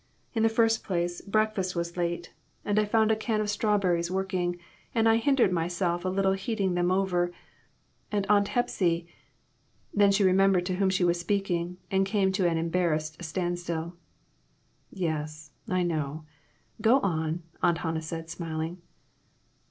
In the first place, breakfast was 112 IMPROMPTU VISITS. late, and I found a can of strawberries working, and I hindered myself a little heating them over, and Aunt Hepsy" then she remembered to whom she was speaking, and came to an embar rassed standstill. "Yes, I know. Go on," Aunt Hannah said, smiling.